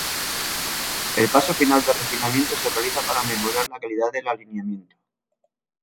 El paso final de refinamiento se realiza para mejorar la calidad del alineamiento.